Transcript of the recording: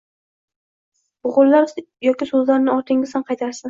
bo‘g‘inlar yoki so‘zlarni ortingizdan qaytarsin.